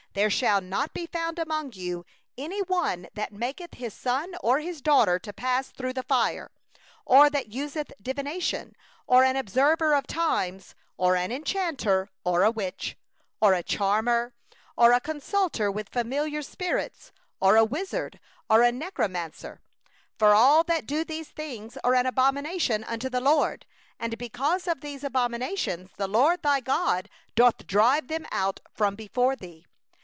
10There shall not be found among you any one that maketh his son or his daughter to pass through the fire, one that useth divination, a soothsayer, or an enchanter, or a sorcerer, 11or a charmer, or one that consulteth a ghost or a familiar spirit, or a necromancer. 12For whosoever doeth these things is an abomination unto the LORD; and because of these abominations the LORD thy God is driving them out from before thee.